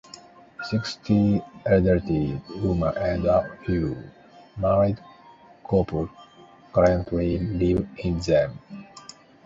Sixty elderly women and a few married couples currently live in them.